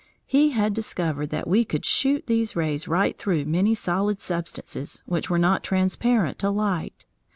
He had discovered that we could shoot these rays right through many solid substances which were not transparent to light.